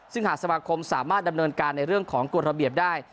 ซึ่งหากสมาคมสามารถดำเนินการในเรื่องของกฎระเบียบได้